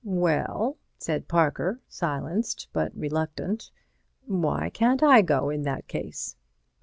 "Well," said Parker, silenced but reluctant, "why can't I go, in that case?"